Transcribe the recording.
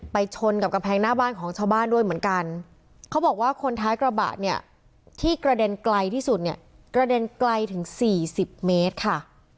ชนกับกำแพงหน้าบ้านของชาวบ้านด้วยเหมือนกันเขาบอกว่าคนท้ายกระบะเนี่ยที่กระเด็นไกลที่สุดเนี่ยกระเด็นไกลถึงสี่สิบเมตรค่ะ